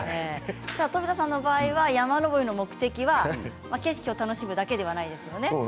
富田さんの場合山登りの目的は景色を楽しむだけではないんですよね。